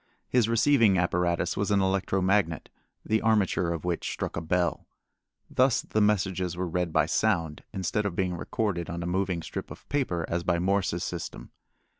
His receiving apparatus was an electro magnet, the armature of which struck a bell. Thus the messages were read by sound, instead of being recorded on a moving strip of paper as by Morse's system.